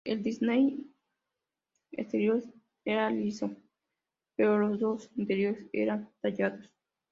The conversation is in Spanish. El dintel exterior era liso, pero los dos interiores eran tallados.